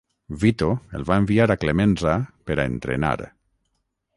Vito el va enviar a Clemenza per a entrenar.